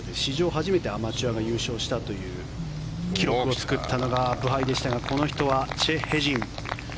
初めてアマチュアが優勝したという記録を作ったのがブハイでしたがこの人はチェ・ヘジン。